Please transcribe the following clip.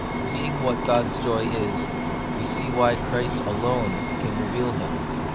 Seeing what God's joy is, we see why Christ alone can reveal Him.